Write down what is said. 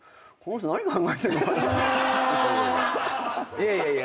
いやいやいや。